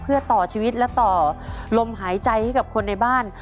เพื่อต่อชีวิตและต่อลมหายใจให้กับคนในบ้าน